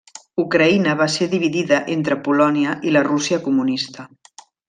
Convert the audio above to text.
Ucraïna va ser dividida entre Polònia i la Rússia comunista.